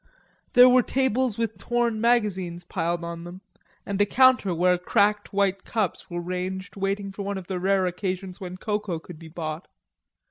There were tables with torn magazines piled on them, and a counter where cracked white cups were ranged waiting for one of the rare occasions when cocoa could be bought.